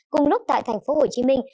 cùng lúc tại thành phố hồ chí minh